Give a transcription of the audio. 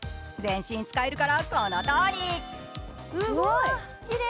全身使えるからこのとおり。